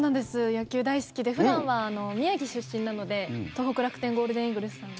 野球大好きで普段は、宮城出身なので東北楽天ゴールデンイーグルスさん。